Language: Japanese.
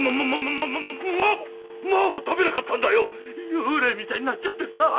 幽霊みたいになっちゃってさー。